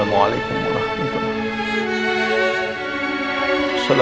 ampuni anakku elsa